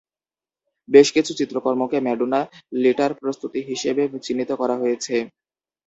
বেশ কিছু চিত্রকর্মকে Madonna litre প্রস্তুতি হিসেবে চিহ্নিত করা হয়েছে।